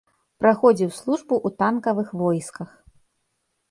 Праходзіў службу ў танкавых войсках.